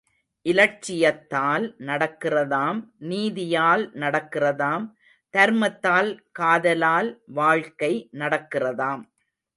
இலட்சியத்தால் நடக்கிறதாம், நீதியால் நடக்கிறதாம் தர்மத்தால், காதலால் வாழ்க்கை நடக்கிறதாம்!